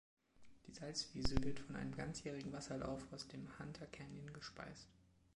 Die Salzwiese wird von einem ganzjährigen Wasserlauf aus dem Hunter Canyon gespeist.